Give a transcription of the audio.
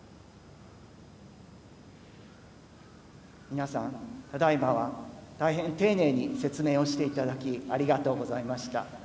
皆さんただいまは大変丁寧に説明をしていただきありがとうございました。